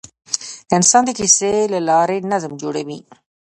انسان د کیسې له لارې نظم جوړوي.